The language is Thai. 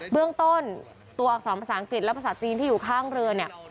เบื้องต้นตัวอักษรภาษาอังกฤษและภาษาจีนที่อยู่ข้างเรือเนี่ย